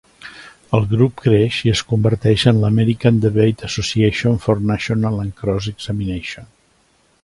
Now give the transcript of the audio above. El grup creix i es converteix en l'American Debate Association for National and Cross Examination.